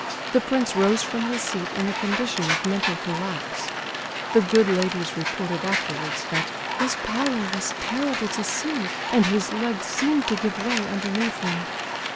The prince rose from his seat in a condition of mental collapse. The good ladies reported afterwards that "his pallor was terrible to see, and his legs seemed to give way underneath him."